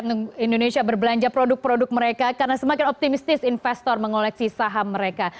untuk indonesia berbelanja produk produk mereka karena semakin optimistis investor mengoleksi saham mereka